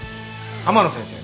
天野先生の。